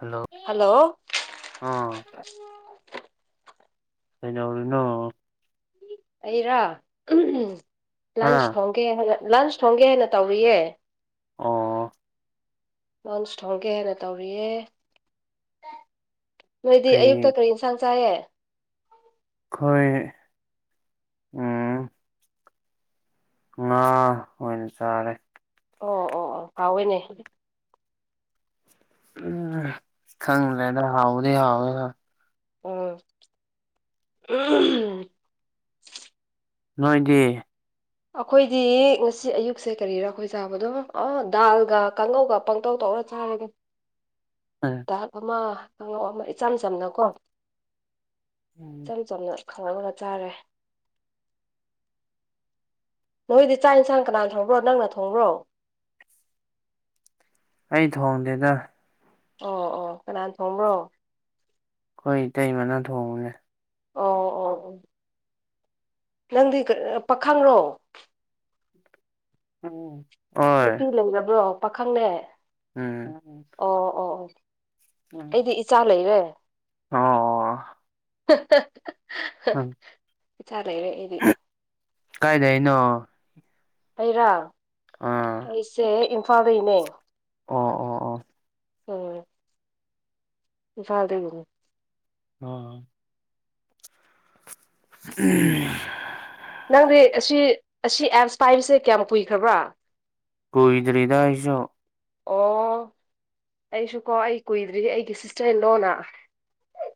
Hello hello ꯑꯥ ꯑꯩꯅꯎꯔꯅꯣ ꯑꯩꯔꯥ ꯂꯟꯁ ꯍꯥ ꯊꯦ ꯂꯟꯁ ꯊꯣꯡꯒꯦ ꯍꯥꯏꯅ ꯇꯧꯔꯤꯌꯦ ꯑꯣ [unintelligible] ꯅꯣꯏꯗꯤ ꯀꯩ ꯑꯌꯨꯛꯇ ꯀꯔꯤ ꯏꯟꯁꯥꯡ ꯆꯥꯏꯌꯦ ꯈꯣꯏ ꯎꯃ ꯈꯥ ꯑꯣꯅ ꯆꯔꯦ ꯑꯣ ꯑꯣ ꯑꯣ ꯀꯥꯎꯋꯦꯅꯦ ꯎꯝ ꯈꯪ꯭ꯔꯦꯗ ꯍꯥꯎꯗꯤ ꯍꯥꯎꯋꯦ ꯍꯥꯎ ꯑ [inaudible] ꯅꯣꯏꯗꯤ ꯑꯩꯈꯣꯏꯗꯤ ꯉꯁꯤ ꯑꯌꯨꯛꯁꯦ ꯀꯔꯤꯔꯥ ꯑꯩꯈꯣꯏ ꯆꯥꯕꯗꯣ ꯑ ꯗꯥꯜꯒ ꯀꯥꯡꯉꯧꯒ ꯄꯪꯇꯧ ꯇꯧ ꯇꯧꯔ ꯆꯥꯔꯒꯦ ꯗꯥꯛ ꯑꯃ ꯈꯉ ꯑꯃ ꯏꯆꯝ ꯆꯝꯅ ꯀꯣ ꯏꯆꯝ ꯆꯝꯅ ꯈꯪꯅꯥꯒꯨꯝꯂ ꯆꯥꯔꯦ ꯅꯣꯏꯗꯤ ꯆꯥꯛ ꯌꯦꯟꯁꯥꯡ ꯀꯅꯥꯅ ꯊꯣꯡꯕ꯭ꯔꯣ ꯅꯪꯅ ꯊꯣꯡꯕ꯭ꯔꯣ ꯑꯩ ꯊꯣꯡꯗꯦꯗ ꯑꯣ ꯑꯣ ꯀꯅꯥꯅ ꯊꯣꯡꯕ꯭ꯔꯣ ꯑꯩꯈꯣꯏ ꯏꯇꯩ ꯃꯅ ꯊꯣꯡꯉꯨꯅꯦ ꯑꯣ ꯑꯣ ꯑꯣ ꯅꯪꯗꯤ ꯄꯥꯈꯪ꯭ꯔꯣ ꯑꯣꯝ ꯅꯨꯄꯤ ꯂꯩꯔꯕ꯭ꯔꯣ ꯄꯥꯈꯪꯅꯦ ꯎꯝ ꯑꯣ ꯑꯣ ꯑꯣ ꯑꯩꯗꯤ ꯏꯆꯥ ꯂꯩꯔꯦ ꯑꯣ ꯎꯝ ꯆꯔꯔꯦ ꯑꯩꯗꯤ ꯀꯥꯏꯗꯩꯅꯣ ꯑꯩꯔꯥ ꯑꯥ ꯑꯩꯁꯦ ꯏꯝꯐꯥꯜꯗꯩꯅꯦ ꯑꯣ ꯑꯣ ꯑꯣ ꯑꯣꯝ ꯐꯜꯗꯣ ꯑ ꯎꯝ ꯅꯪꯗꯤ ꯑꯁꯤ ꯑꯁꯤ ꯑꯦꯞꯁ ꯄꯥꯏꯕꯁꯦ ꯀꯌꯥꯝ ꯀꯨꯏꯈ꯭ꯔꯕ꯭ꯔꯥ ꯀꯣꯏꯗ꯭ꯔꯤꯗ ꯍꯥꯏꯁꯣ ꯑꯩꯁꯨ ꯀꯣ ꯑꯩ ꯀꯨꯏꯗ꯭ꯔꯤ ꯑꯩꯒꯤ ꯁꯤꯁꯇꯔ ꯏꯟꯂꯣꯅ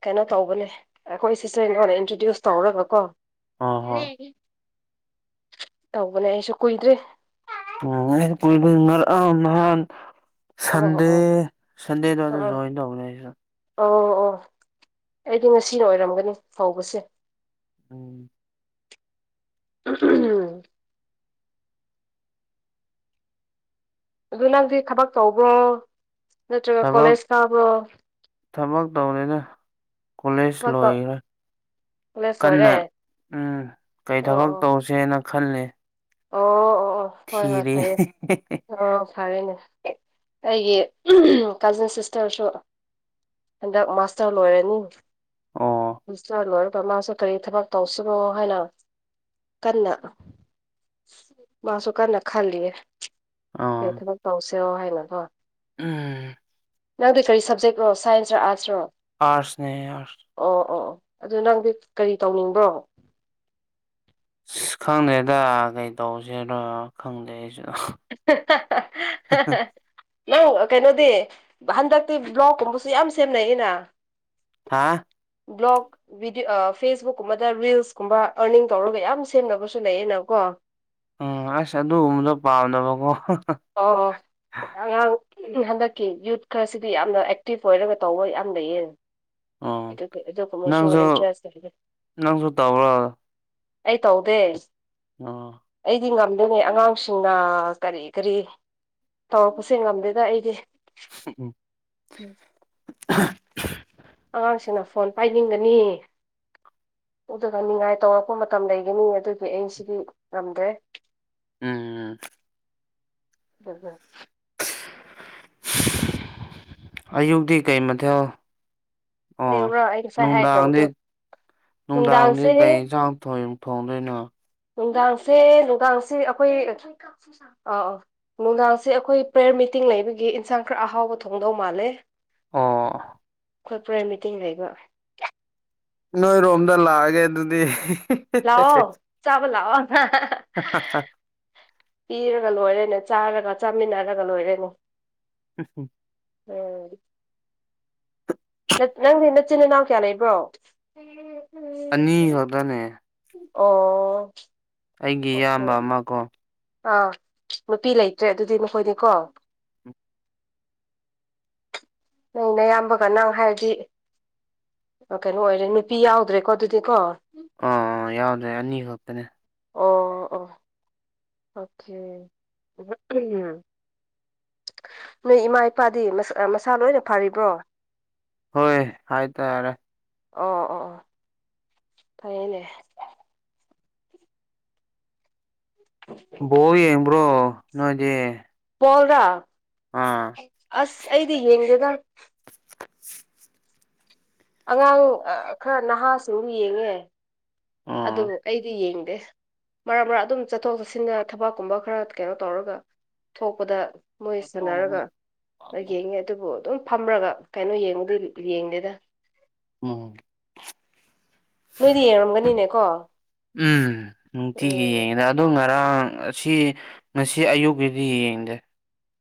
ꯀꯩꯅꯣ ꯇꯧꯕꯅꯦ ꯑꯩꯈꯣꯏ ꯁꯤꯁꯇꯔꯗꯅ ꯏꯟꯇ꯭ꯔꯣꯗ꯭ꯌꯨꯁ ꯇꯧꯔꯒ ꯀꯣ ꯑꯣ ꯍꯣ ꯇꯧꯕꯅꯦ ꯑꯩꯁꯨ ꯀꯨꯏꯗ꯭ꯔꯦ ꯎꯝ ꯃꯔꯥꯟ ꯑꯣ ꯁꯟꯗꯦ ꯑꯣ ꯁꯟꯗꯦꯗ ꯑꯗ ꯑꯣ ꯖꯣꯏꯟ ꯇꯧꯕꯅꯦꯁꯤꯗ ꯑꯣ ꯑꯣ ꯑꯩꯗꯤ ꯉꯁꯤꯅ ꯑꯣꯏꯔꯝꯒꯅꯤ ꯍꯧꯕꯁꯦ ꯎꯝ ꯎꯝ ꯑꯗꯨ ꯅꯪꯗꯤ ꯊꯕꯛ ꯇꯧꯕꯣ ꯅꯠꯇ꯭ꯔꯒ ꯊꯕꯛ ꯀꯣꯂꯦꯖ ꯊꯥꯕꯣ ꯊꯕꯛ ꯇꯧꯅꯤꯅ ꯀꯣꯂꯦꯖ ꯉꯥꯛꯇ ꯂꯣꯏꯔꯦ ꯀꯣꯂꯦꯖ ꯀꯟꯅ ꯂꯣꯏꯔꯦ ꯎꯝ ꯀꯩ ꯑꯣ ꯊꯕꯛ ꯑꯣ ꯇꯧꯁꯦꯅ ꯈꯜꯂꯤ ꯑꯣ ꯑꯣ ꯑꯣ ꯍꯣꯏ ꯍꯣꯏ ꯊꯤꯔꯤ ꯐꯔꯌꯦ ꯑꯣ ꯐꯔꯦꯅꯦ ꯑꯩꯒꯤ ꯀꯖꯤꯟ ꯁꯤꯁꯇꯔꯁꯨ ꯍꯟꯗꯛ ꯃꯥꯁꯇꯔ ꯂꯣꯏꯔꯅꯤ ꯑꯣ ꯃꯥꯁꯇꯔ ꯂꯣꯏ ꯃꯥꯁꯨ ꯀꯔꯤ ꯊꯕꯛ ꯇꯧꯁꯤꯔꯣ ꯍꯥꯏꯅ ꯀꯟꯅ ꯃꯥꯁꯨ ꯀꯟꯅ ꯈꯜꯂꯤꯌꯦ ꯑꯥ ꯀꯩ ꯊꯕꯛ ꯇꯧꯁꯤꯔꯣ ꯍꯥꯏꯅꯀꯣ ꯎꯝ ꯅꯪꯗꯤ ꯀꯔꯤ ꯁꯞꯖꯦꯛꯔꯣ ꯁꯥꯏꯟꯁ ꯔꯣ ꯑꯥꯔꯠꯁ꯭ꯔꯣ ꯑꯥꯁꯅꯦ ꯑꯥꯔ ꯑꯗꯨ ꯅꯪꯗꯤ ꯀꯔꯤ ꯇꯧꯅꯤꯡꯕ꯭ꯔꯣ ꯑꯁ ꯈꯪꯗꯦꯗ ꯀꯩ ꯇꯧꯁꯤꯔꯥ ꯈꯪꯗꯦ ꯑꯩꯁꯨ ꯍꯥꯍꯥꯍꯥꯍꯥ ꯅꯪ ꯀꯩꯅꯣꯗꯤ ꯍꯟꯗꯛꯇꯤ ꯕ꯭ꯂꯣꯛꯀꯨꯝꯕꯁꯨ ꯌꯥꯝ ꯁꯦꯝꯅꯩꯅ ꯍꯥꯥ ꯕ꯭ꯂꯣꯛ ꯕꯤꯗꯤ ꯐꯦꯁꯕꯨꯛ ꯀꯨꯝꯕꯗ ꯔꯤꯜꯁ ꯀꯨꯝꯕ ꯑꯔꯅꯤꯡ ꯇꯧꯔꯒ ꯌꯥꯝ ꯁꯦꯝꯅꯕꯁꯨ ꯂꯩꯌꯦꯅꯀꯣ ꯎꯝ ꯑꯁ ꯑꯗꯨꯒꯨꯝꯕꯗꯣ ꯄꯥꯝꯗꯕꯀꯣ ꯑꯣ ꯎ ꯍꯟꯗꯛꯀꯤ ꯌꯨꯠ ꯈꯔꯁꯤꯗꯤ ꯌꯥꯝꯅ ꯑꯦꯛꯇꯤꯚ ꯑꯣꯏꯔꯒ ꯇꯧꯕ ꯌꯥꯝ ꯂꯩꯌꯦ ꯎꯝ ꯑꯗꯨ ꯀꯃꯁꯨ ꯅꯪꯁꯨ ꯏꯟꯇꯔꯦꯁꯒꯦ ꯅꯪꯁꯨ ꯇꯧꯔꯣ ꯑꯩ ꯇꯧꯗꯦ ꯑ ꯑꯩꯗꯤ ꯉꯝꯗꯦꯅꯦ ꯑꯉꯥꯡꯁꯤꯡꯅ ꯀꯔꯤ ꯀꯔꯤ ꯇꯧꯔꯛꯄꯁꯦ ꯉꯝꯗꯦꯗ ꯑꯩꯗꯤ ꯎꯝ ꯎꯝ ꯑꯉꯥꯡꯁꯤꯅ ꯐꯣꯟ ꯄꯥꯏꯅꯤꯡꯒꯅꯤ ꯑꯗꯨꯒ ꯅꯤꯡꯉꯥꯏ ꯇꯧꯔꯛꯄ ꯃꯇꯝ ꯂꯩꯒꯅꯤ ꯑꯗꯨꯒꯤ ꯑꯩ ꯁꯤꯗꯤ ꯉꯝꯗ꯭ꯔꯦ ꯎꯝ ꯔꯕꯥꯔ ꯑꯌꯨꯛꯇꯤ ꯀꯩ ꯃꯊꯦꯜ ꯑꯣ ꯑꯌꯨꯛꯔ ꯑꯩ ꯉꯁꯥꯏ ꯅꯨꯡꯗꯥꯡꯗꯤ ꯍꯥꯏꯈ꯭ꯔꯕꯗꯣ ꯅꯨꯡꯗꯥꯡꯗꯤ ꯅꯨꯡꯗꯥꯡꯁꯦ ꯀꯩ ꯌꯦꯟꯁꯥꯡ ꯊꯣꯏ ꯊꯣꯡꯗꯣꯏꯅꯣ ꯅꯨꯡꯗꯥꯡꯁꯦ ꯅꯨꯡꯗꯥꯡꯁꯦ ꯑꯩꯈꯣꯏ ꯑ ꯑ ꯅꯨꯡꯗꯥꯡꯁꯦ ꯑꯩꯈꯣꯏ ꯄ꯭ꯔꯦꯔꯃꯤ ꯃꯤꯇꯤꯡ ꯂꯩꯕꯒꯤ ꯏꯟꯁꯥꯡ ꯈꯔ ꯑꯍꯥꯎꯕ ꯊꯣꯡꯗꯧ ꯃꯥꯜꯂꯦ ꯑꯣ꯫ ꯑꯩꯈꯣꯏ ꯄꯨꯔꯥ ꯃꯤꯇꯤꯡ ꯂꯩꯕꯣ ꯅꯣꯏꯔꯣꯝꯗ ꯂꯥꯛꯑꯒꯦ ꯑꯗꯨꯗꯤ ꯂꯥꯛꯑꯣ ꯆꯥꯕ ꯂꯥꯛꯑꯣ ꯄꯤꯔꯒ ꯂꯣꯏꯔꯦꯅꯦ ꯆꯥꯔꯒ ꯆꯥꯃꯤꯟꯅꯔ ꯆꯥꯃꯤꯅꯔꯒ ꯂꯣꯏꯔꯦꯅꯦ ꯅꯪꯗꯤ ꯅꯥꯆꯤꯟ ꯅꯥꯅꯥꯎ ꯀꯌꯥ ꯂꯩꯕ꯭ꯔꯣ ꯑꯅꯤ ꯈꯛꯇꯥꯅꯦ ꯑꯣ ꯑꯩꯒꯤ ꯏꯌꯥꯝꯕ ꯑꯣꯀꯦ ꯑꯃ ꯀꯣ ꯑꯥ ꯅꯨꯄꯤ ꯂꯩꯇ꯭ꯔꯦ ꯑꯗꯨꯗꯤ ꯅꯈꯣꯏꯗꯤꯀꯣ ꯅꯪ ꯅꯥꯌꯥꯝꯕꯒ ꯅꯪ ꯍꯥꯏꯔꯗꯤ ꯀꯩꯅꯣ ꯑꯣꯏꯔꯦ ꯅꯨꯄꯤ ꯌꯥꯎꯗ꯭ꯔꯦꯀꯣ ꯑꯗꯨꯗꯤ ꯀꯣ ꯑꯥ ꯑ ꯌꯥꯎꯗ꯭ꯔꯦ ꯑꯅꯤ ꯈꯛꯇꯅꯦ ꯑꯣ ꯑꯣ ꯑꯣꯀꯦ ꯅꯣꯏ ꯏꯃꯥ ꯏꯄꯥꯗꯤ ꯃꯁꯥ ꯂꯣꯏꯅ ꯐꯔꯤꯕ꯭ꯔꯣ ꯍꯣꯏ ꯍꯥꯏꯇꯔꯦ ꯑꯣ ꯑꯣ ꯑꯣ ꯐꯌꯦꯅꯦ ꯕꯣꯕꯣ ꯌꯦꯡꯕ꯭ꯔꯣ ꯅꯣꯏꯗꯤ ꯍꯣꯜ ꯗ ꯑꯥ ꯑꯩꯗꯤ ꯌꯦꯡꯗꯦꯗ [unintelligible] ꯑꯉꯥꯡ ꯈꯔ ꯅꯍꯥꯁꯤꯡꯕꯨ ꯌꯦꯡꯉꯦ ꯑꯗꯨ ꯑꯥ ꯑꯩꯗꯤ ꯌꯦꯡꯉꯦ ꯃꯔꯛ ꯃꯔꯛ ꯑꯗꯨꯝ ꯆꯠꯊꯣꯛ ꯆꯠꯁꯤꯟꯒ ꯊꯕꯛꯀꯨꯝꯕ ꯈꯔ ꯀꯩꯅꯣ ꯇꯧꯔꯒ ꯊꯣꯛꯄꯗ ꯃꯣꯏ ꯁꯥꯟꯅꯔꯒ ꯌꯦꯡꯉꯦ ꯑꯗꯨꯕꯨ ꯑꯗꯨꯝ ꯐꯝꯔꯒ ꯀꯩꯅꯣ ꯌꯦꯡꯕꯗ ꯌꯦꯡꯗꯦꯗ ꯎꯝ ꯅꯣꯏꯗꯤ ꯌꯦꯡꯉꯝꯒꯅꯤꯅꯦ ꯀꯣ ꯎꯝ ꯅꯨꯡꯇꯤꯒꯤ ꯌꯦꯡꯉꯤꯗ ꯑꯗꯨ ꯉꯥꯏ ꯉꯔꯥꯡ ꯑꯁꯤ ꯉꯁꯤ ꯑꯌꯨꯛꯀꯤꯗꯤ ꯌꯦꯡꯗꯦ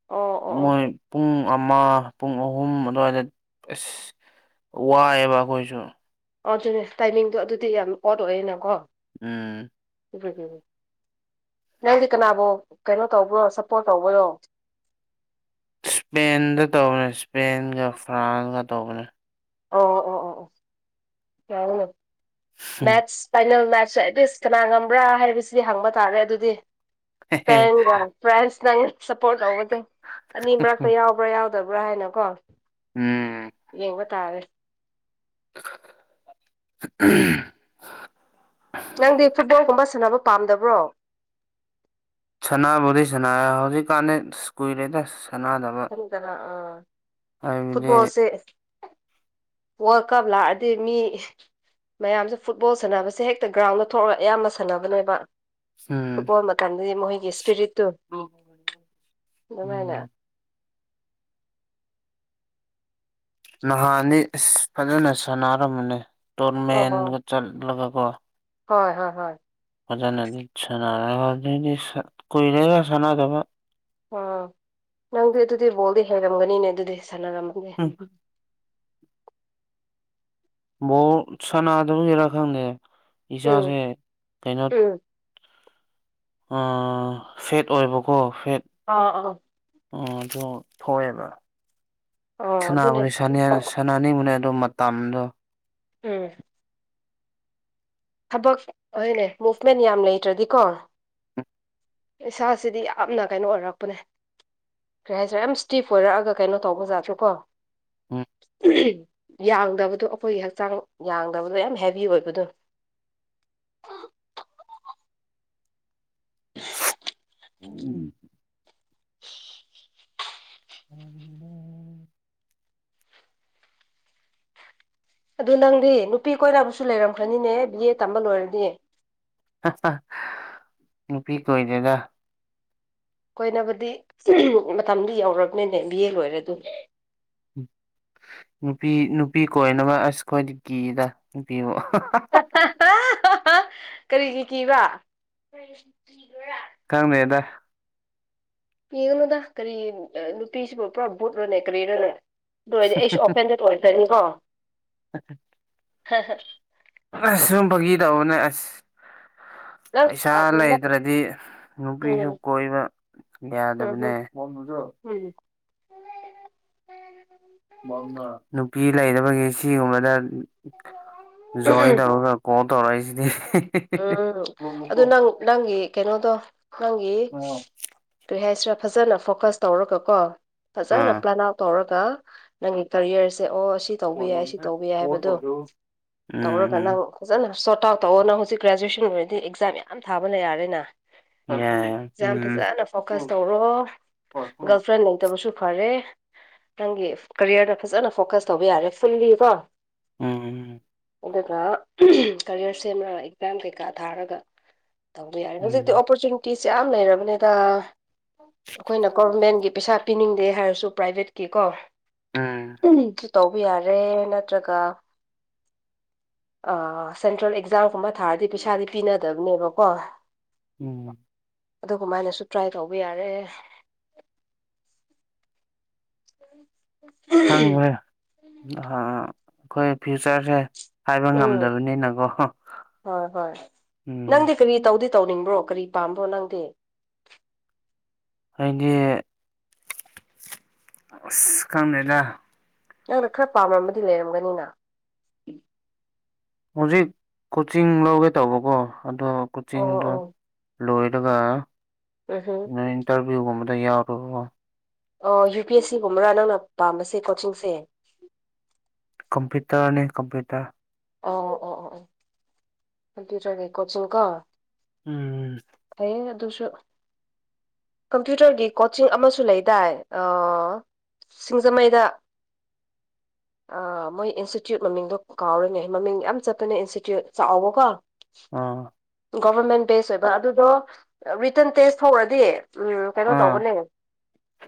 ꯑꯣ ꯑꯣ ꯑꯣ ꯃꯣꯏ ꯄꯨꯡ ꯄꯨꯡ ꯑꯃ ꯄꯨꯡ ꯑꯍꯨꯝ ꯑꯗꯨꯋꯥꯏꯗ ꯑꯁ ꯋꯥꯏꯑꯦꯕ ꯑꯩꯈꯣꯏꯁꯨ ꯑꯗꯨꯅꯦ ꯇꯥꯏꯃꯤꯡꯗꯣ ꯑꯗꯨꯗꯤ ꯌꯥꯝ ꯑꯣꯠ ꯑꯣꯏꯌꯦꯦꯅꯀꯣ ꯎꯝ ꯏ ꯅꯪꯗꯤ ꯀꯅꯥꯕꯨ ꯀꯩꯅꯣ ꯇꯧꯕ꯭ꯔꯣ ꯁꯞꯄꯣꯔꯠ ꯇꯧꯕ꯭ꯔꯣ ꯏꯁꯄꯦꯟꯗ ꯇꯧꯕꯅꯦ ꯏꯁꯄꯦꯟꯒ ꯐ꯭ꯔꯥꯟꯁꯒ ꯇꯧꯕꯅꯦ ꯑꯣ ꯑꯣ ꯑꯣ ꯑꯣꯅ ꯃꯦꯠ ꯐꯥꯏꯅꯦ ꯁ ꯀꯅꯥ ꯉꯝꯕ꯭ꯔꯥ ꯍꯥꯏꯕꯁꯤꯗꯤ ꯍꯪꯕ ꯇꯥꯔꯦ ꯑꯗꯨꯗꯤ ꯁꯄ ꯐ꯭ꯔꯥꯟꯁ ꯅꯪ ꯁꯞꯄꯣꯔꯠ ꯇꯧꯒꯁꯦ ꯑꯅꯤ ꯃꯔꯛꯇ ꯌꯥꯎꯕ꯭ꯔꯥ ꯌꯥꯎꯗꯕ꯭ꯔꯥ ꯍꯥꯏꯅ ꯀꯣ ꯎꯝ ꯌꯦꯡꯕ ꯇꯥꯔꯦ ꯎ ꯅꯪꯗꯤ ꯐꯨꯠꯕꯣꯜꯒꯨꯝꯕ ꯁꯥꯟꯅꯕ ꯄꯥꯝꯗꯕ꯭ꯔꯣ ꯁꯅꯥꯕꯨꯗꯤ ꯁꯅꯥ ꯍꯧꯖꯤ ꯀꯥꯦ ꯁ꯭ ꯀꯨꯏꯔꯦꯗꯁ ꯆꯗꯔ ꯑ ꯍꯥꯏꯕꯗꯤ ꯐꯠꯕꯣꯜꯁꯦ [unintelligible] ꯋꯥꯔꯜ ꯀꯞ ꯂꯥꯛꯑꯗꯤ ꯃꯤ ꯃꯌꯥꯝꯁꯦ ꯐꯨꯠꯕꯣꯜ ꯁꯥꯟꯅꯕꯁꯦ ꯍꯦꯛꯇ ꯒ꯭ꯔꯥꯎꯟꯗ ꯊꯣꯛꯂꯒ ꯑꯌꯥꯝꯅ ꯁꯥꯟꯅꯕ ꯅꯣꯏꯕ ꯎꯝ ꯐꯨꯠꯕꯣꯜ ꯃꯇꯝꯗꯗꯤ ꯃꯈꯣꯏꯒꯤ ꯏꯁꯄꯤꯔꯤꯠꯇꯨ ꯑꯗꯨꯃꯥꯏꯅ ꯎꯝ ꯅꯍꯥꯟꯅꯤ ꯑ ꯐꯖꯅ ꯁꯥꯟꯅꯔꯝꯃꯅꯦ ꯑꯣ ꯇꯣꯔꯃꯦꯟꯒ ꯆꯠꯂꯒ ꯍꯣꯏ ꯍꯣꯏ ꯍꯣꯏ ꯃꯖꯅꯗꯤ ꯁꯅ ꯀꯣꯏꯔꯒ ꯁꯅ ꯀꯕ ꯑꯥ ꯅꯪꯗꯤ ꯑꯗꯨꯗꯤ ꯕꯣꯜꯗꯤ ꯍꯩꯔꯝꯒꯅꯤꯅꯦ ꯑꯗꯨꯗꯤ ꯁꯥꯟꯅꯔꯝꯃꯒꯦ ꯎꯝ ꯕꯣꯔ ꯁꯥꯟꯅꯗꯕꯒꯤꯔꯥ ꯈꯪꯗꯦ ꯎꯝ ꯏꯁꯥꯁꯦ ꯀꯩꯅꯣ ꯎꯝ ꯐꯦꯠ ꯑꯣꯏꯕꯀꯣ ꯐꯦꯠ ꯑꯥ ꯑꯥ ꯎ ꯑꯗꯨ ꯊꯣꯛꯑꯦꯕ ꯑꯥ ꯑꯗꯨꯅꯦ ꯁꯅꯥꯕꯨꯅꯤ ꯁꯅꯥꯅꯤꯕꯨꯅ ꯑꯗꯨ ꯃꯇꯝꯗꯣ ꯎꯝ ꯊꯕꯛ ꯍꯣꯏꯅꯦ ꯃꯨꯚꯃꯦꯟ ꯌꯥꯝ ꯂꯩꯇ꯭ꯔꯗꯤꯀꯣ ꯏꯁꯥꯁꯤꯗꯤ ꯌꯥꯝꯅ ꯀꯩꯅꯣ ꯑꯣꯏꯔꯛꯄꯅꯦ ꯀꯩ ꯍꯥꯏꯁꯔꯦ ꯌꯥꯝ ꯏꯁꯇꯤꯐ ꯑꯣꯏꯔꯛꯑꯒ ꯀꯩꯅꯣ ꯇꯧꯕꯖꯥꯗ꯭ꯔꯦꯀꯣ ꯍꯣꯏ ꯌꯥꯡꯗꯕꯗꯣ ꯑꯩꯈꯣꯏꯒꯤ ꯍꯛꯆꯥꯡ ꯌꯥꯡꯗꯕꯗꯣ ꯌꯥꯝ ꯍꯦꯚ ꯑꯣꯏꯕꯗꯣ ꯑ ꯎꯝ [unintelligible] ꯑ ꯑꯗꯨ ꯅꯪꯗꯤ ꯅꯨꯄꯤ ꯀꯣꯏꯕꯨꯁꯨ ꯂꯩꯔꯝꯈ꯭ꯔꯅꯤꯅꯦ ꯕꯤ ꯑꯦ ꯇꯝꯕ ꯂꯣꯏꯔꯗꯤ ꯅꯨꯄꯤ ꯀꯣꯏ ꯒꯥ ꯀꯣꯏꯕꯨꯗꯤ ꯃꯇꯝꯗꯨ ꯌꯧꯔꯕꯅꯦꯅꯦ ꯕꯤ ꯑꯦ ꯂꯣꯏꯔꯦ ꯑꯗꯨ ꯎꯝ ꯅꯨꯄꯤ ꯅꯨꯄꯤ ꯀꯃꯛ ꯑꯁ ꯈꯈꯣꯏꯗꯤ ꯀꯤꯗ ꯅꯨꯄꯤꯕꯨ [unintelligible] ꯀꯔꯤꯒꯤ ꯀꯤꯕ ꯀꯔꯉꯦꯗ ꯄꯤꯒꯅꯨꯗ ꯀꯔꯤ ꯅꯨꯄꯤꯁꯤꯕꯨ ꯄꯨꯔꯥ ꯚꯨꯠꯂꯣꯅꯦ ꯀꯔꯤꯔꯅꯦ ꯑꯣꯏ ꯑꯩꯁꯨ ꯑꯣꯐꯦꯟꯗꯦꯠ ꯑꯣꯏꯗ꯭ꯔꯅꯤꯀꯣ ꯎ ꯍꯥ ꯍꯥ ꯑꯁ ꯁꯨꯝ ꯐꯒꯤꯔꯛꯑꯣꯅꯦ ꯑꯁ ꯅꯪ ꯄꯩꯁꯥ ꯂꯩꯇ꯭ꯔꯗꯤ ꯅꯨꯄꯤꯁꯨ ꯎꯝ ꯀꯣꯏꯕ ꯌꯥꯗꯕꯅꯦ ꯎꯝ ꯅꯨꯄꯤ ꯂꯩꯕꯒꯤ ꯁꯤꯒꯨꯝꯕꯗ ꯣꯏ ꯇꯔ ꯀ ꯇꯔꯥꯏꯁꯤꯗꯤ ꯎꯝ ꯑꯗꯨ ꯅꯪ ꯅꯪꯒꯤ ꯀꯩꯅꯣꯗꯣ ꯅꯪꯒꯤ ꯀꯔꯤ ꯍꯥꯏꯁꯤꯔꯥ ꯐꯖꯅ ꯐꯣꯀꯁ ꯇꯧꯔꯒ ꯀꯣ ꯐꯖꯅ ꯑꯥ ꯄ꯭ꯂꯥꯟ ꯑꯥꯎꯠ ꯇꯧꯔꯒ ꯅꯪꯒꯤ ꯀꯔꯤꯌꯔꯁꯦ ꯑꯣ ꯁꯤ ꯇꯧꯕ ꯎꯝ ꯌꯥꯏ ꯁꯤ ꯇꯧꯕ ꯌꯥꯏ ꯍꯥꯏꯕꯗꯨꯣ ꯇꯧꯔꯒ ꯅꯪ ꯎꯝ ꯐꯖꯅ ꯁꯣꯔꯠ ꯑꯥꯎꯠ ꯇꯧꯑꯣ ꯅꯪ ꯍꯧꯖꯤꯛ ꯒ꯭ꯔꯦꯖꯨꯋꯌꯦꯁꯟ ꯑꯣꯏꯔꯗꯤ ꯑꯦꯛꯖꯥꯝ ꯌꯥꯝ ꯊꯥꯕ ꯌꯥꯔꯦꯅ ꯌꯥꯏ ꯁ ꯌꯥꯝ ꯎꯝ ꯐꯖꯅ ꯐꯣꯀꯁ ꯇꯧꯔꯣ ꯒꯥꯔꯜ ꯐ꯭ꯔꯦꯟ ꯂꯩꯇꯕꯁꯨ ꯐꯔꯦ ꯅꯪꯒꯤ ꯀꯔꯤꯌꯔꯗ ꯐꯖꯅ ꯐꯣꯀꯁ ꯇꯧꯕ ꯌꯥꯔꯦ ꯐꯨꯜꯂꯤ ꯀꯣ ꯎꯝ ꯑꯗꯨꯒꯥ ꯀꯔꯤꯌꯥꯔ ꯁꯦꯝꯃꯒ ꯑꯦꯛꯖꯥꯝ ꯀꯩꯀꯥ ꯊꯥꯔꯒꯥ ꯇꯧꯕ ꯌꯥꯔꯦ ꯎꯝ ꯍꯧꯖꯤꯛꯇꯤ ꯎꯝ ꯎꯝ ꯑꯣꯄꯣꯔꯆꯨꯅꯤꯇꯤꯁꯤꯁꯦ ꯌꯥꯝ ꯂꯩꯔꯕꯅꯦꯗ ꯑꯩꯈꯣꯏꯅ ꯒꯣꯚꯔꯃꯦꯟꯒꯤ ꯄꯩꯁꯥ ꯄꯤꯅꯤꯡꯗꯦ ꯍꯥꯏꯔꯁꯨ ꯄ꯭ꯔꯥꯏꯚꯦꯠꯀꯤ ꯀꯣ ꯎꯝ ꯁꯨ ꯇꯧꯕ ꯌꯥꯔꯦ ꯅꯠꯇ꯭ꯔꯒ ꯁꯦꯟꯇ꯭ꯔꯦꯜ ꯑꯦꯛꯖꯥꯝꯒꯨꯝꯕ ꯊꯥꯔꯗꯤ ꯄꯩꯁꯥꯗꯤ ꯄꯤꯅꯗꯕꯅꯦꯕꯀꯣ ꯎꯝ ꯑꯗꯨꯒꯃꯥꯏꯅꯁꯨ ꯇ꯭ꯔꯥꯏ ꯇꯧꯕ ꯌꯥꯔꯦ ꯈꯪꯈꯦ ꯑꯥ ꯑꯩꯈꯣꯏ ꯐ꯭ꯌꯨꯆꯔꯁꯦ ꯍꯥꯏꯕꯥ ꯎꯝ ꯉꯝꯗꯕꯅꯤꯅꯀꯣ ꯍꯣꯏ ꯍꯣꯏ ꯎꯝ ꯅꯪꯗꯤ ꯀꯔꯤ ꯇꯧꯗꯤ ꯇꯧꯅꯤꯡꯕ꯭ꯔꯣ ꯀꯔꯤ ꯄꯥꯝꯕꯣ ꯅꯪꯗꯦ ꯑꯩꯗꯤ ꯑ ꯈꯪꯅꯗ ꯅꯪꯅ ꯈꯔ ꯄꯥꯝꯃꯃꯗꯤ ꯂꯩꯔꯝꯒꯅꯤꯅ ꯍꯧꯖꯤꯛ ꯀꯣꯆꯤꯡ ꯂꯧꯒꯦ ꯇꯧꯕꯀꯣ ꯑꯗꯣ ꯑꯣ ꯀꯣꯆꯤꯡꯗꯣ ꯑꯣ ꯂꯣꯏꯔꯒ ꯎꯝ ꯍꯝ ꯅꯣꯏ ꯏꯟꯇꯔꯚꯤꯌꯨꯒꯨꯝꯕꯗ ꯌꯥꯎꯔꯨꯕ ꯑꯣ ꯌꯨ ꯄꯤ ꯑꯦꯁ ꯁꯤꯒꯨꯝꯕꯔꯥ ꯅꯪꯅ ꯄꯥꯝꯕꯁꯦ ꯀꯣꯆꯤꯡꯁꯦ ꯀꯝꯄꯌꯨꯇꯔ ꯑ ꯀꯝꯄꯌꯨꯇꯔ ꯑ ꯑꯣ ꯑꯣ ꯑ ꯀꯝꯄ꯭ꯌꯨꯇꯔꯒꯤ ꯀꯣꯆꯤꯡ ꯀꯣ ꯎꯝ ꯎꯝ ꯐꯩꯌꯦ ꯑꯗꯨꯁꯨ ꯀꯝꯄ꯭ꯌꯨꯇꯔꯒꯤ ꯀꯣꯆꯤꯡ ꯑꯃꯁꯨ ꯂꯩꯗꯥꯏ ꯁꯤꯡꯖꯃꯩꯗ ꯃꯣꯏ ꯏꯟꯁꯇꯤꯇ꯭ꯌꯨꯠ ꯃꯃꯤꯡꯗꯣ ꯀꯥꯎꯔꯅꯦ ꯃꯃꯤꯡ ꯌꯥꯝ ꯆꯠꯄꯅꯦ ꯏꯟꯁꯇꯤꯇ꯭ꯌꯨꯠ ꯆꯥꯎꯕꯀꯣ ꯑꯥ ꯒꯣꯚꯔꯃꯦꯟ ꯕꯦꯁ ꯑꯣꯏꯕ ꯑꯗꯨꯗꯣ ꯔꯤꯇꯟ ꯇꯦꯁ ꯇꯧꯔꯗꯤ ꯎꯝ ꯀꯩꯅꯣ ꯑꯥ ꯇꯧꯕꯅꯦ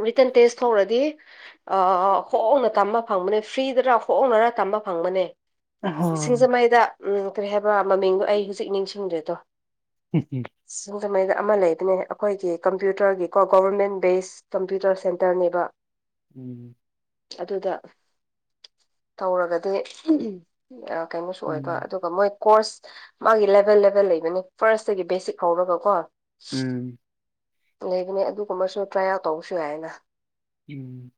ꯔꯤꯇꯟ ꯇꯦꯁ ꯊꯣꯛꯧꯔꯗꯤ ꯍꯣꯡꯅ ꯇꯝꯕ ꯐꯪꯕꯅꯦ ꯐ꯭ꯔꯤꯗꯔ ꯍꯣꯡꯅꯔꯥ ꯇꯝꯕ ꯐꯪꯕꯅꯦ ꯁꯤꯡꯖꯃꯩꯗ ꯎꯝ ꯀꯔꯤ ꯍꯥꯏꯕ꯭ꯔꯥ ꯃꯃꯤꯡꯗꯣ ꯑꯩ ꯍꯧꯖꯤꯛ ꯅꯤꯡꯁꯤꯡꯗ꯭ꯦꯗꯣ ꯎꯝ ꯎꯝ ꯑꯗꯨꯃꯥꯏꯅ ꯑꯃ ꯂꯩꯕꯅꯦ ꯑꯩꯈꯣꯏꯒꯤ ꯀꯝꯄ꯭ꯌꯨꯇꯔꯒꯤꯀꯣ ꯒꯣꯕꯔꯃꯦꯟ ꯕꯦꯁ ꯀꯝꯄ꯭ꯌꯨꯇꯔ ꯁꯦꯟꯇꯔꯅꯦꯕ ꯎꯝ ꯑꯗꯨꯗ ꯇꯧꯔꯒꯗꯤ ꯀꯩꯅꯣꯁꯨ ꯑꯣꯏꯕ ꯎꯝ ꯑꯗꯨꯒ ꯃꯣꯏ ꯀꯣꯔꯁ ꯃꯥꯒꯤ ꯂꯦꯚꯦꯜ ꯂꯦꯕꯦꯜ ꯂꯩꯕꯅꯤ ꯐꯥꯔꯁꯇꯒꯤ ꯕꯦꯁꯤꯛ ꯍꯧꯔꯒ ꯀꯣ ꯎꯝ ꯂꯩꯕꯅꯦ ꯑꯗꯨꯒꯨꯝꯕꯁꯨ ꯇ꯭ꯔꯥꯏꯜ ꯇꯧꯕꯁꯨ ꯌꯥꯏꯅ ꯎꯝ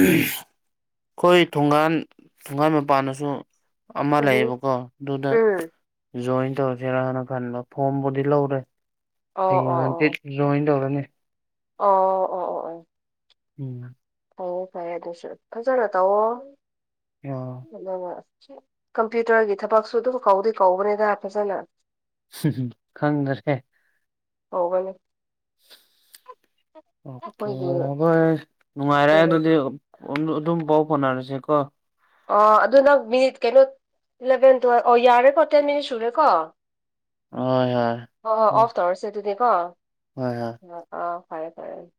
ꯑꯩꯈꯣꯏ ꯊꯣꯡꯒꯥꯟ ꯊꯣꯡꯒꯥꯟ ꯃꯄꯥꯟꯅꯁꯨ ꯑꯃ ꯎꯝ ꯂꯩꯌꯦꯕꯀꯣ ꯑꯗꯨꯗ ꯎꯝ ꯖꯣꯏꯟ ꯇꯧꯔꯁꯤꯔꯥꯅ ꯈꯟꯕ ꯐꯣꯔꯝꯕꯨꯗꯤ ꯂꯧꯔꯦ ꯑꯣ ꯍꯌꯦꯡ ꯑꯣ ꯍꯪꯆꯤꯠ ꯖꯣꯏꯟ ꯇꯧꯔꯅꯤ ꯑꯣ ꯑꯣ ꯑꯣ ꯑꯣ ꯎꯝ ꯑꯣ ꯐꯩꯌꯦ ꯑꯗꯨꯁꯨ ꯐꯖꯅ ꯇꯧꯋꯣ ꯑꯣ ꯑꯗꯨꯒ ꯀꯝꯄ꯭ꯌꯨꯇꯔꯒꯤ ꯊꯕꯛꯁꯨ ꯑꯗꯨꯝ ꯀꯧꯗꯤ ꯀꯧꯕꯅꯤꯗ ꯐꯖꯅ ꯈꯪꯗ꯭ꯔꯦ ꯀꯧꯕꯅꯦ ꯑꯣꯀꯦ ꯑꯩꯈꯣꯏꯒꯤ [unintelligible] ꯅꯨꯡꯉꯥꯏꯔꯦ ꯑꯗꯨꯗꯤ ꯀꯣꯟ ꯗꯨ ꯑꯗꯨꯝ ꯄꯥꯎ ꯐꯥꯎꯅꯔꯁꯦ ꯀꯣ ꯑ ꯑꯗꯨ ꯅꯪ ꯃꯤꯅꯤꯠ ꯀꯩꯅꯣ ꯏꯂꯚꯦꯟ ꯇꯨꯌꯦꯜꯐ ꯑꯣ ꯌꯥꯔꯦꯀꯣ ꯇꯦꯟ ꯃꯤꯅꯤꯠ ꯁꯨꯔꯦꯀꯣ ꯍꯣꯏ ꯍꯣꯏ ꯑꯣꯐ ꯇꯧꯔꯁꯦ ꯑꯗꯨꯗꯤꯀꯣ ꯍꯣꯏ ꯍꯣꯏ ꯑ ꯐꯔꯦ ꯐꯔꯦ